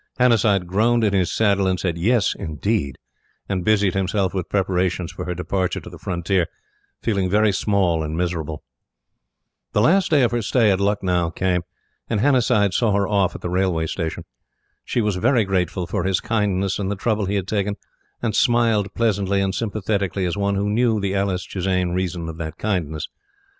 Hannasyde groaned in his saddle and said, "Yes, indeed," and busied himself with preparations for her departure to the Frontier, feeling very small and miserable. The last day of her stay at Lucknow came, and Hannasyde saw her off at the Railway Station. She was very grateful for his kindness and the trouble he had taken, and smiled pleasantly and sympathetically as one who knew the Alice Chisane reason of that kindness.